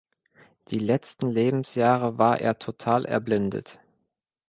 Die letzten Lebensjahre war er total erblindet.